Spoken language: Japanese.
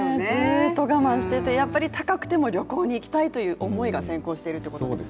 ずっと我慢していて、高くても旅行に行きたいという思いが先行しているんですね。